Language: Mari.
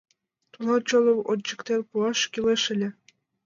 Тунам чоным ончыктен пуаш кӱлеш ыле.